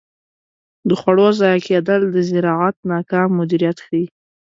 د خوړو ضایع کیدل د زراعت ناکام مدیریت ښيي.